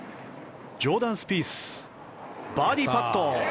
ジョーダン・スピースバーディーパット。